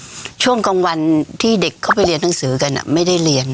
ช่วงกลางวันที่เด็กเข้าไปเรียนหนังสือกันไม่ได้เรียน